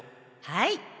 はい。